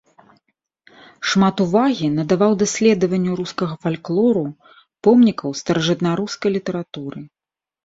Шмат увагі надаваў даследаванню рускага фальклору, помнікаў старажытнарускай літаратуры.